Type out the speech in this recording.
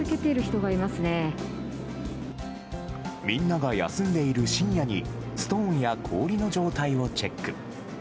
みんなが休んでいる深夜にストーンや氷の状態をチェック。